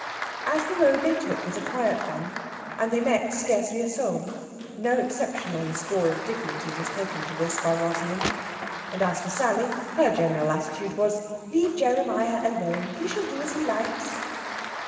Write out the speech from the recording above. As the road they took was a quiet one, and they met scarcely a soul, no exception on the score of dignity was taken to this by Rosalind; and as for Sally, her general attitude was "Leave Jeremiah alone he shall do as he likes."